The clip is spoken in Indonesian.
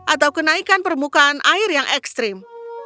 atau kenaikan permukaan air yang ekstrim